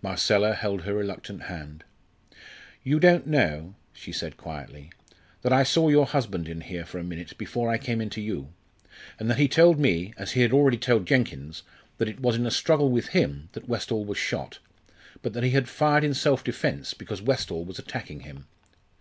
Marcella held her reluctant hand. "You don't know," she said quietly, "that I saw your husband in here for a minute before I came in to you, and that he told me, as he had already told Jenkins, that it was in a struggle with him that Westall was shot, but that he had fired in self defence because Westall was attacking him.